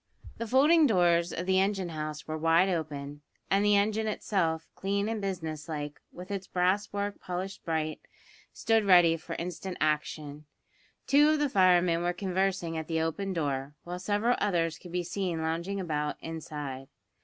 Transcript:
The folding doors of the engine house were wide open, and the engine itself, clean and business like, with its brass work polished bright, stood ready for instant action. Two of the firemen were conversing at the open door, while several others could be seen lounging about inside.